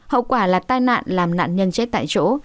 hậu quả là tai nạn làm nạn nhân chết tại chỗ